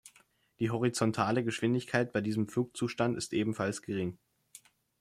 Die horizontale Geschwindigkeit bei diesem Flugzustand ist ebenfalls gering.